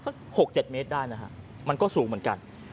๖๗เมตรได้นะฮะมันก็สูงเหมือนกัน